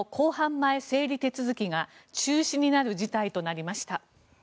前整理手続きが中止になる事態となりました。